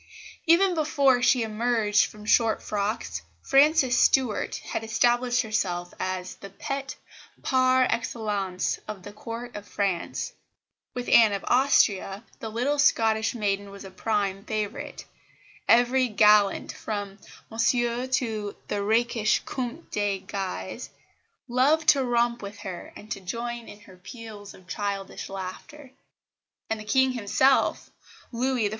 Even before she emerged from short frocks, Frances Stuart had established herself as the pet par excellence of the Court of France. With Anne of Austria the little Scottish maiden was a prime favourite; every gallant, from "Monsieur" to the rakish Comte de Guise, loved to romp with her, and to join in her peals of childish laughter; and the King himself, Louis XIV.